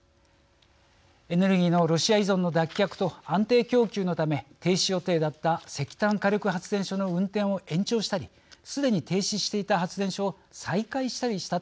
エネルギーのロシア依存の脱却と安定供給のため停止予定だった石炭火力発電所の運転を延長したりすでに停止していた発電所を再開したりしたためです。